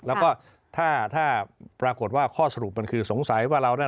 แล้วก็ถ้าปรากฏว่าข้อสรุปมันคือสงสัยว่าเรานั่น